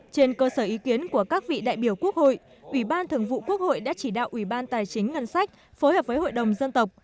trên cơ sở ý kiến của các vị đại biểu quốc hội ủy ban thường vụ quốc hội đã chỉ đạo ủy ban tài chính ngân sách phối hợp với hội đồng dân tộc